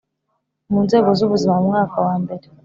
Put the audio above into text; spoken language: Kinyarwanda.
mu Nzego z Ubuzima mu mwaka wa mbere